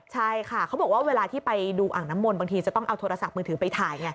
ใช่ค่ะเขาบอกว่าเวลาที่ไปดูอ่างน้ำมนต์บางทีจะต้องเอาโทรศัพท์มือถือไปถ่าย